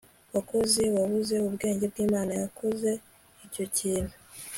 wakoze wabuze ubwenge bwimana. yakoze icyo kintu